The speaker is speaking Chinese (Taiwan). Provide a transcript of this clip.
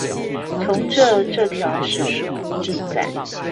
從這這條史書記載